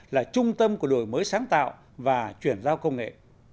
là trung tâm của đổi mới sáng tạo và chuyển giao công nghệ